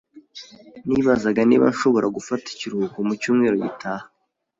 Nibazaga niba nshobora gufata ikiruhuko mu cyumweru gitaha.